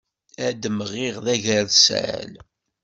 Ad d-mɣiɣ d agersal.